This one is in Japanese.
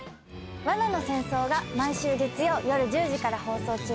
『罠の戦争』が毎週月曜夜１０時から放送中です。